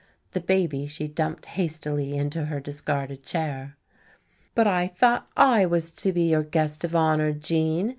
The baby she dumped hastily into her discarded chair. "But I thought I was to be your guest of honor, Gene?"